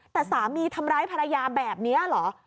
แต่สามีทำร้ายภรรยาแบบนี้เหรอ